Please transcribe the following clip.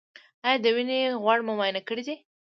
ایا د وینې غوړ مو معاینه کړي دي؟